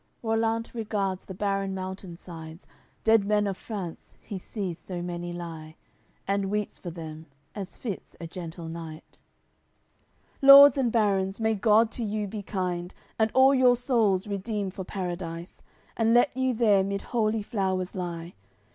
AOI. CXL Rollant regards the barren mountain sides; Dead men of France, he sees so many lie, And weeps for them as fits a gentle knight: "Lords and barons, may God to you be kind! And all your souls redeem for Paradise! And let you there mid holy flowers lie!